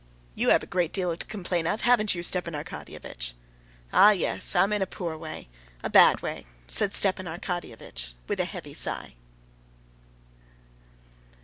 "You have a great deal to complain of, haven't you, Stepan Arkadyevitch?" "Ah, yes, I'm in a poor way, a bad way," said Stepan Arkadyevitch with a heavy sigh.